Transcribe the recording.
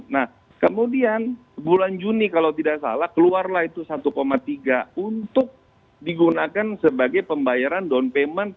nah kemudian bulan juni kalau tidak salah keluarlah itu satu tiga untuk digunakan sebagai pembayaran down payment